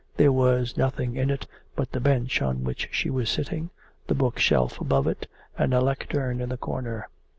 There was nothing in it but the bench on which she was sitting, the book shelf above it, and a lectern in the corner.